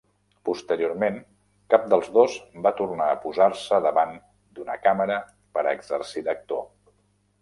Posteriorment cap dels dos va tornar a posar-se davant d'una càmera per exercir d'actor.